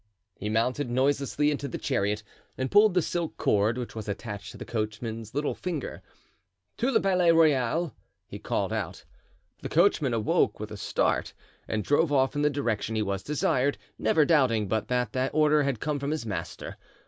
He mounted noiselessly into the chariot and pulled the silk cord which was attached to the coachman's little finger. "To the Palais Royal," he called out. The coachman awoke with a start and drove off in the direction he was desired, never doubting but that the order had come from his master.